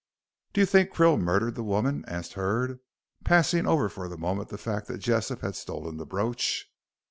"Do you think Krill murdered the woman?" asked Hurd, passing over for the moment the fact that Jessop had stolen the brooch.